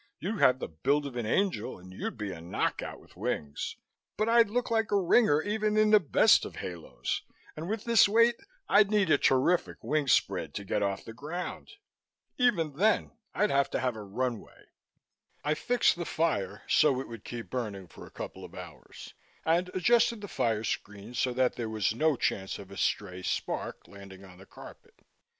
You have the build of an angel and you'd be a knockout with wings, but I'd look like a ringer even in the best of haloes and with this weight I'd need a terrific wing spread to get off the ground. Even then, I'd have to have a run way." I fixed the fire so it would keep burning for a couple of hours and adjusted the fire screen so that there was no chance of a stray spark landing on the carpet.